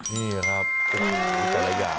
นี่ครับจริงจริงจริง